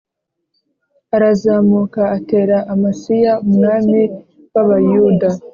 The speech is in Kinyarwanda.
arazamuka atera Amasiya umwami w’Abayuda